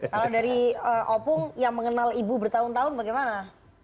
kalau dari opung yang mengenal ibu bertahun tahun bagaimana